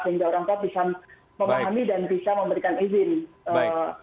sehingga orang tua bisa memahami dan bisa memberikan izin